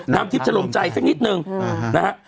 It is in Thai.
น้ำทิพย์ถล่มใจสักนิดนึงนะฮะ